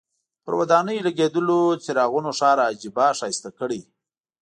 پر ودانیو لګېدلو څراغونو ښار عجیبه ښایسته کړی.